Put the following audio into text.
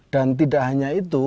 dan tidak hanya itu